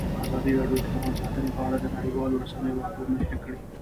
ازادي راډیو د حیوان ساتنه په اړه د نړیوالو رسنیو راپورونه شریک کړي.